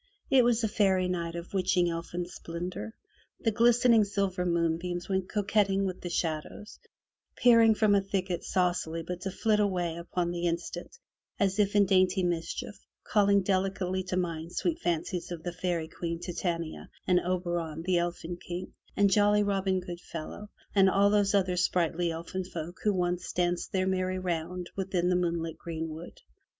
It was a fairy night of witching elfin splendor; the glistening silver moonbeams went coquetting with the shadows, peeping from a thicket saucily but to flit away upon the instant as if in dainty mischief, calling delicately to mind sweet fancies of the Fairy Queen, Titania, and Oberon, the Elfin King, and jolly Robin Goodfellow, and all those other sprightly elfin folk who once danced their merry round within the moonlit greenwood.